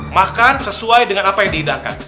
makan sesuai dengan apa yang dihidangkan